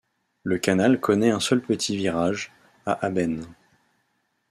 Le canal connaît un seul petit virage, à Abbenes.